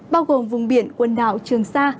bao gồm vùng biển quần đảo trường sa